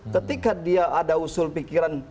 ketika dia ada usul pikiran